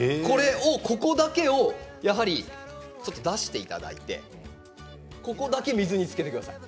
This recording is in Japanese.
ここだけをやはり出していただいてここだけ水につけてください。